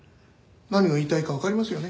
何を言いたいかわかりますよね？